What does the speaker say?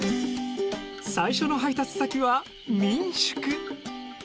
最初の配達先は民宿。